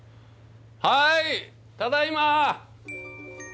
はいただいま！